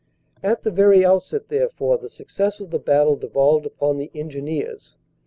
.. "At the very outset, therefore, the success of the battle devolved upon the Engineers.